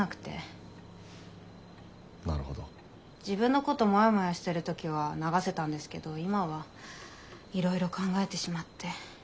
自分のことモヤモヤしてる時は流せたんですけど今はいろいろ考えてしまって。